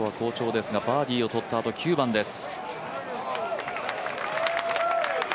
ティーショットは好調ですがバーディーを取ったあと、９番です。